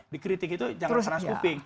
dikritik itu jangan pernah sweeping